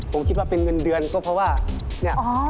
ผมคิดว่าเป็นเงินเดือนก็เพราะว่าเนี่ย